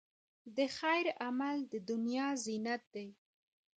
د خیر عمل، د دنیا زینت دی.